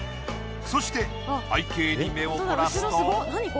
そして背景に目を凝らすと。